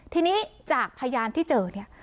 ทีนี้จากพยานที่เจอเนี่ย